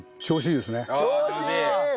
調子いい！